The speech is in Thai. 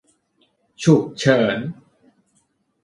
ฉุกเฉิน